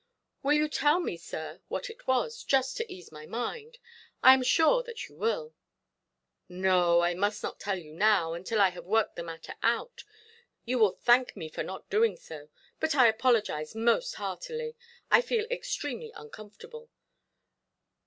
"Will you tell me, sir, what it was? Just to ease my mind. I am sure that you will". "No, I must not tell you now, until I have worked the matter out. You will thank me for not doing so. But I apologise most heartily. I feel extremely uncomfortable.